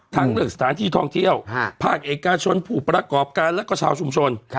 ทั้งเรื่องสถานที่ท่องเที่ยวภาคเอกชนผู้ประกอบการและก็ชาวชุมชน